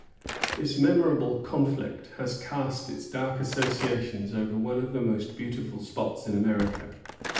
This memorable conflict has cast its dark associations over one of the most beautiful spots in America.